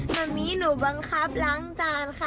ตอนนี้หนูบังคับล้างจานค่ะ